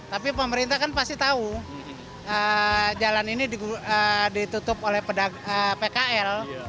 tapi pemerintah kan pasti tahu jalan ini ditutup oleh pkl